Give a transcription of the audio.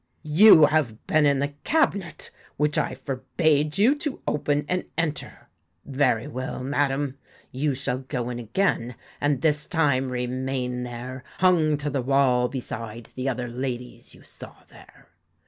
'You have been in the cabinet, which I forbade you to open and enter. Very well, madam, you shall go in again and this time remain there, hung to the wall beside the other ladies you saw there.'